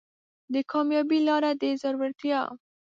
د کامیابۍ لاره د زړورتیا